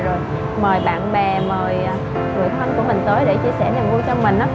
rồi mời bạn bè mời người thân của mình tới để chia sẻ niềm vui cho mình